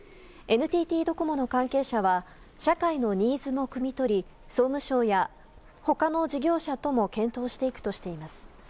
ＮＴＴドコモの関係者は社会のニーズもくみ取り総務省や他の事業者とも検討していくとしています。